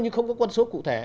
như không có con số cụ thể